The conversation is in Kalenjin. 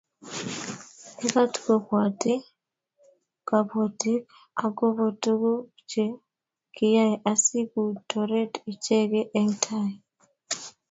mekat kobwotyi kabotik akobo tuguk che kiyae asikutoret icheke eng' tai